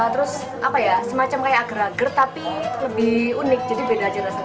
terus semacam agar agar tapi lebih unik jadi beda aja rasanya